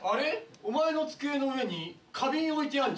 お前の机の上に花瓶置いてあんじゃん。